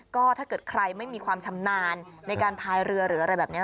ก็ถ้าเกิดใครไม่มีความชำนาญในการพายเรือหรืออะไรแบบนี้